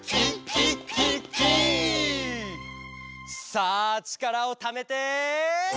「さあちからをためて！」